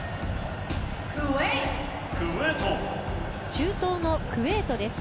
中東のクウェートです。